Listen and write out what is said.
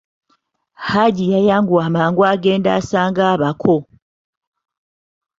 Hajji yayanguwa mangu agende asange abako.